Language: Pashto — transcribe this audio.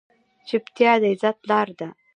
چپتیا، د عزت لاره ده.